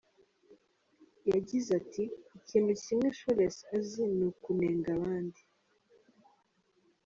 Yagize ati “Ikintu kimwe Scholes azi ni ukunenga abandi.